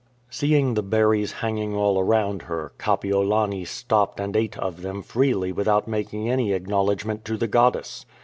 Seeing the berries hanging all around her, Kapiolani stopped and ate of them freely without making any acknowledgment to the goddess.